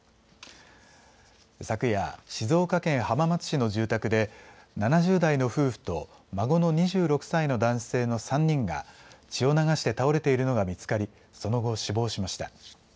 昨夜、静岡県浜松市の住宅で７０代の夫婦と孫の２６歳の男性の３人が血を流して倒れているのが見つかりその後、死亡しました。